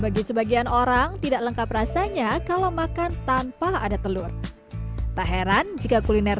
bagi sebagian orang tidak lengkap rasanya kalau makan tanpa ada telur tak heran jika kuliner